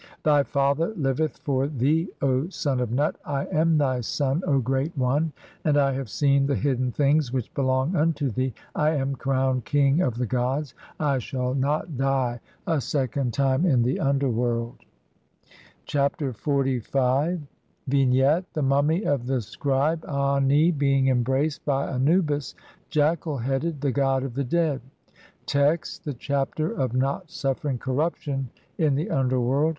Thy father liveth "for thee, O son of Nut ; I am thy son, O Great One, and I "have seen the hidden things (6) which belong unto thee. I am "crowned king of the gods, I shall not die a second time in "the underworld." Chapter XLV. [From the Papyrus of Ani (Brit. Mus. No. 10,470, sheet 16).] Vignette : The mummy of the scribe Ani being embraced by Anubis, jackal headed, the god of the dead. Text : (1) The Chapter of not suffering corruption IN THE UNDERWORLD.